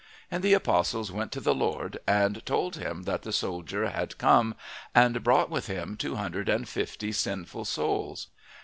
And the apostles went to the Lord, and told him that the soldier had come, and brought with him two hundred and fifty sinful souls.